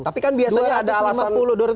tapi kan biasanya ada alasan